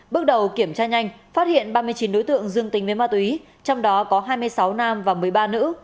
bước đầu kiểm tra nhanh phát hiện ba mươi chín đối tượng dương tình với ma túy trong đó có hai mươi sáu nam và một mươi ba nữ